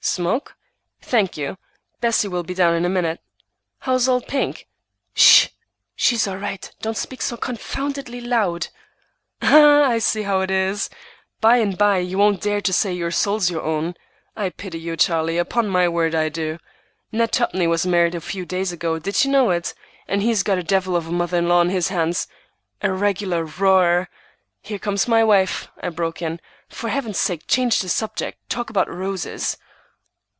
Smoke?" "Thank you. Bessie will be down in a minute." "How's old Pink?" "S s h! She's all right. Don't speak so confoundedly loud." "Ha, ha! I see how it is. By and by you won't dare say your soul's your own. I pity you, Charlie, upon my word I do. Ned Tupney was married a few days ago, did you know it? and he's got a devil of a mother in law on his hands, a regular roarer—" "Here comes my wife," I broke in. "For Heaven's sake, change the subject. Talk about roses!"